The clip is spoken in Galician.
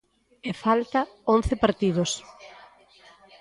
E falta once partidos.